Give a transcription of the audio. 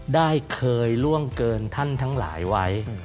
ได้เคยล่วงเกินท่านทั้งหลายไว้